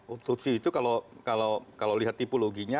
otopsi itu kalau lihat tipologinya